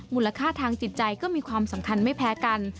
มูลค่าทางจิตใจก็มีความสำคัญไม่แพ้กัน